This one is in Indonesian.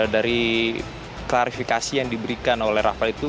dari klarifikasi yang diberikan oleh rafael itu